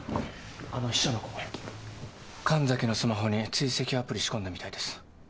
あの秘書の子神崎のスマホに追跡アプリ仕込んだみたいです。